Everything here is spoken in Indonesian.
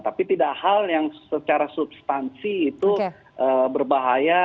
tapi tidak hal yang secara substansi itu berbahaya